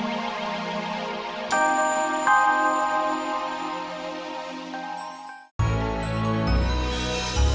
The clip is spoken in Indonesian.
bagaimana kita bisa mengatasi kebenaran kita